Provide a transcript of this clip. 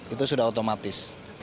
itu sudah otomatis